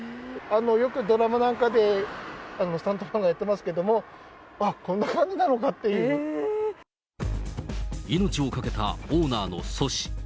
よくドラマなんかで、スタントマンがやってますけども、あっ、命を懸けたオーナーの阻止。